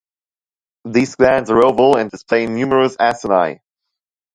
These glands are oval and display numerous acini.